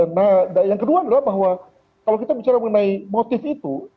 nah yang kedua adalah bahwa kalau kita bicara mengenai motif itu